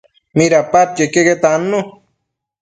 Midapadquio iqueque tannu